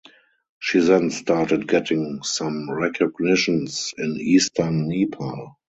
She then started getting some recognitions in eastern Nepal.